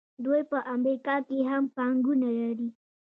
دوی په امریکا کې هم پانګونه لري.